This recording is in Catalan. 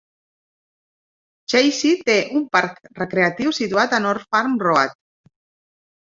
Chazy té un parc recreatiu situat a North Farm Road.